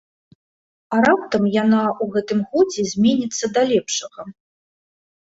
А раптам яна ў гэтым годзе зменіцца да лепшага?